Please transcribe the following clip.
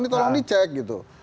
ini tolong dicek gitu